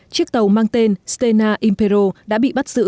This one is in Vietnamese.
chiếc tàu mang tên stena imperial đã bị bắt giữ